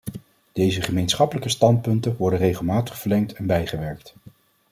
Deze gemeenschappelijke standpunten worden regelmatig verlengd en bijgewerkt.